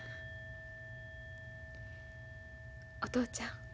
お父ちゃん